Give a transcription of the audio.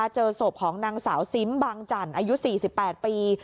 เจอศพของนางสาวซิมบางจันทร์อายุ๔๘ปี